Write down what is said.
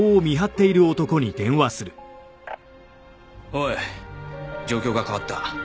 おい状況が変わった。